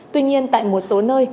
tuy nhiên tại một số nơi